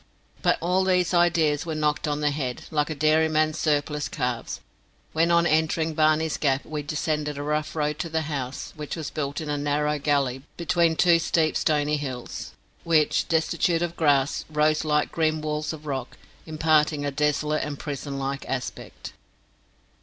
But all these ideas were knocked on the head, like a dairyman's surplus calves, when on entering Barney's Gap we descended a rough road to the house, which was built in a narrow gully between two steep stony hills, which, destitute of grass, rose like grim walls of rock, imparting a desolate and prison like aspect.